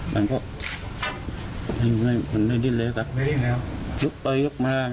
มันก็มันไม่ดิ้นเลยครับไม่ดิ้นเลยหรอลุกไปลุกมา